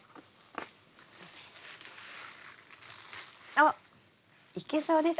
おっいけそうです。